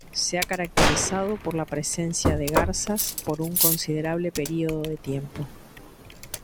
Se ha caracterizado por la presencia de garzas por un considerable período de tiempo.